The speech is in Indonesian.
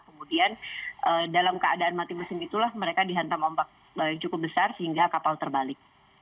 kemudian dalam keadaan mati mesin itulah mereka dihantam ombak yang cukup besar sehingga kapal terbalik